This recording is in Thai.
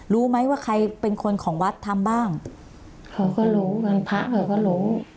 รู้ไหมว่าใครเป็นคนของวัดทำบ้างเขาก็รู้เงินพระเขาก็รู้